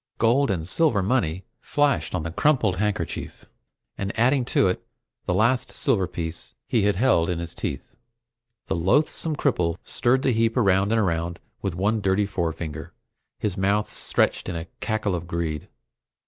Gold and silver money flashed on the crumpled handkerchief, and adding to it the last silver piece he had held in his teeth, the loathsome cripple stirred the heap around and around with one dirty forefinger, his mouth stretched in a cackle of greed.